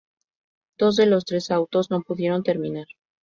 Dos de los tres autos no pudieron terminar.